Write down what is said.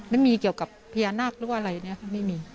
มันมีเกี่ยวกับเพียรนักหรือว่าอะไรนะครับไม่มี